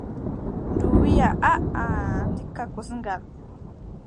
Ndu wiiʼa: aaʼa ndikka kosngal.